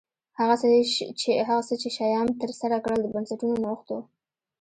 هغه څه چې شیام ترسره کړل د بنسټونو نوښت و